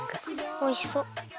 おいしそう！